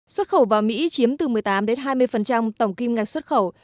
xuất khẩu vào mỹ chiếm từ một mươi tám hai mươi tổng kim ngạch xuất khẩu